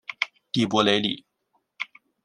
蒂珀雷里。